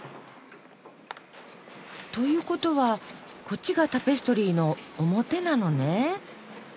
ということはこっちがタペストリーの表なのね。